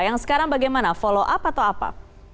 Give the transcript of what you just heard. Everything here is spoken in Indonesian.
yang sekarang bagaimana follow up atau apa